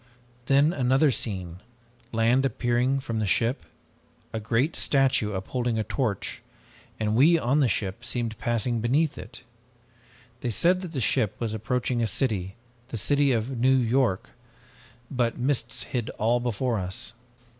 "Then another scene, land appearing from the ship. A great statue, upholding a torch, and we on the ship seemed passing beneath it. They said that the ship was approaching a city, the city of New York, but mists hid all before us.